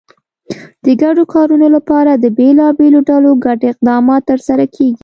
د ګډو کارونو لپاره د بېلابېلو ډلو ګډ اقدامات ترسره کېږي.